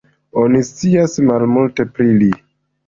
Oni scias malmulte pri li.